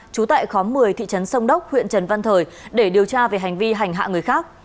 trú tại khóm một mươi thị trấn sông đốc huyện trần văn thời để điều tra về hành vi hành hạ người khác